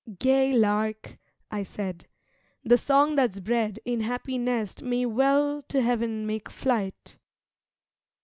'Gay Lark,' I said, 'The song that's bred In happy nest may well to heaven make flight.'